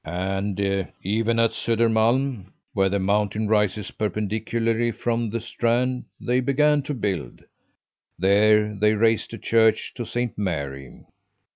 "And even at Södermalm, where the mountain rises perpendicularly from the strand, they began to build. There they raised a church to Saint Mary.